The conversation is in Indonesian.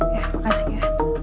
ya makasih ya